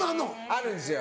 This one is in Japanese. あるんですよ。